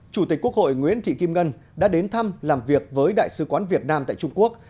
chủ tịch quốc hội nguyễn thị kim ngân đã đến thăm làm việc với đại sứ quán việt nam tại trung quốc